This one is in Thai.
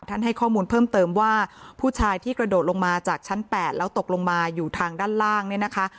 ให้ข้อมูลเพิ่มเติมว่าผู้ชายที่กระโดดลงมาจากชั้น๘แล้วตกลงมาอยู่ทางด้านล่างเนี่ยนะคะ